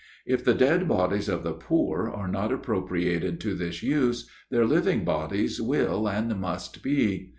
If the dead bodies of the poor are not appropriated to this use, their living bodies will and must be.